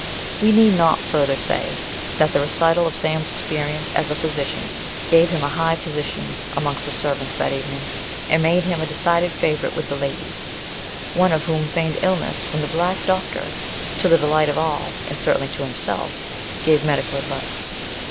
We need not further say, that the recital of Sam's experience as a physician gave him a high position amongst the servants that evening, and made him a decided favourite with the ladies, one of whom feigned illness, when the black doctor, to the delight of all, and certainly to himself, gave medical advice.